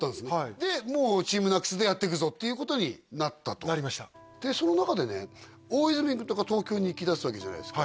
でもうＴＥＡＭＮＡＣＳでやっていくぞっていうことになったとなりましたでその中でね大泉君とか東京に行きだすわけじゃないですか